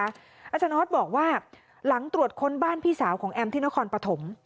อาจารย์ออสบอกว่าหลังตรวจค้นบ้านพี่สาวของแอมที่นครปฐม